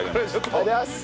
ありがとうございます。